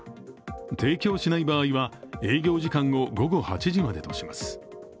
提供しない場合は営業時間を午後８時までとします。